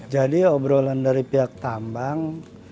jadi obrolan dari pihak tambang